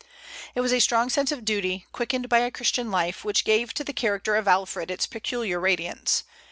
It was a strong sense of duty, quickened by a Christian life, which gave to the character of Alfred its peculiar radiance.